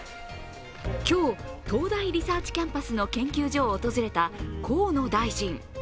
今日、東大リサーチキャンパスの研究所を訪れた河野大臣。